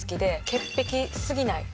潔癖すぎない。